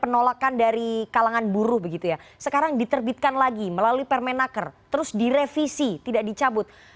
penolakan dari kalangan buruh begitu ya sekarang diterbitkan lagi melalui permenaker terus direvisi tidak dicabut